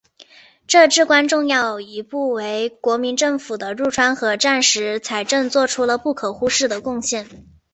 这至关重要一步为国民政府的入川和战时财政作出了不可忽视的贡献。